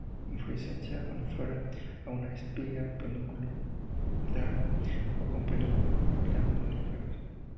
Inflorescencia uniflora o en espiga, pedúnculo glabro o con pelos glandulíferos.